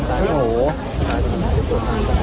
โหใจเปล่า